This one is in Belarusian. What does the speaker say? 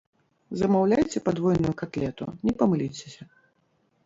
Замаўляйце падвойную катлету, не памыліцеся.